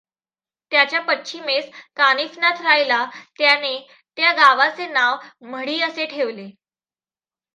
त्याच्या पश्चिमेस कानिफनाथ राहिला; त्यानें त्या गांवाचें नांव मढी असें ठेविलें.